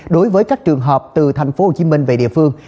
đối với các trường hợp từ tp hcm về địa phương